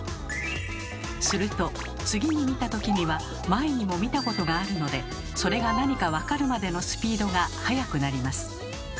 すると次に見た時には前にも見たことがあるのでそれが何かわかるまでのスピードが速くなります。